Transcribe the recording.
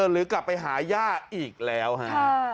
หรือกลับไปหาย่าอีกแล้วฮะ